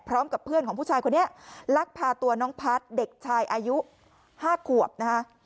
พร้อมกับเพื่อนของผู้ชายคนนี้ลักพาตัวน้องพัฒน์เด็กชายอายุ๕ขวบนะคะ